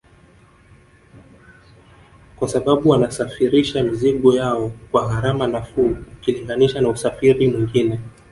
Kwa sababu wanasafirisha mizigo yao kwa gharama nafuu ukilinganisha na usafiri mwingine